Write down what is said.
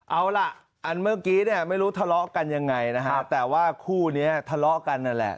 เอาล่ะอันเมื่อกี้เนี่ยไม่รู้ทะเลาะกันยังไงนะฮะแต่ว่าคู่นี้ทะเลาะกันนั่นแหละ